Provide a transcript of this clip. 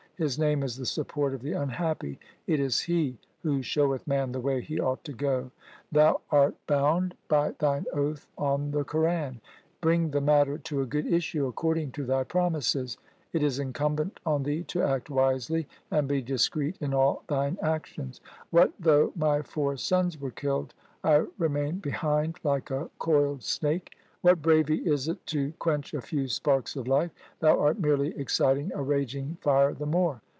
His name is the Support of the unhappy. It is He who showeth man the way he ought to go. Thou art bound 1 From whom the Phulkian chiefs and people are descended. LIFE OF GURU GOBIND SINGH 205 by thine oath on the Quran. Bring the matter to a good issue according to thy promises. It is incumbent on thee to act wisely, and be discreet in all thine actions. What though my four sons were killed, I remain behind like a coiled 1 snake. What bravery is it to quench a few sparks of life ? Thou art merely exciting a raging fire the more.